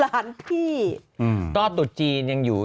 ก็ตัวจีนยังอยู่